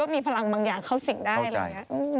มีพลังบางอย่างเข้าสิงได้เลย